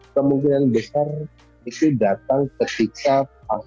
kemungkinan besar itu datang ketika